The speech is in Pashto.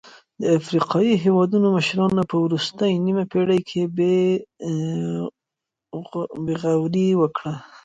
د افریقايي هېوادونو مشرانو په وروستۍ نیمه پېړۍ کې بې غوري وکړه.